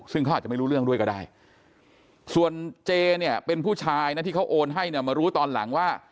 ซึ่งเขาอาจจะไม่รู้เรื่องด้วยก็ได้ส่วนเจเนี่ยเป็นผู้ชายนะที่เขาโอนให้เนี่ยมารู้ตอนหลังว่า